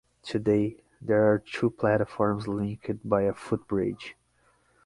Today, there are two platforms linked by a footbridge.